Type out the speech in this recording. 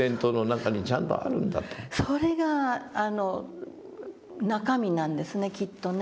それが中身なんですねきっとね。